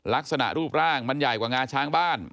ลักษณะรูปร่างมันใหญ่กว่างาช้างบ้าน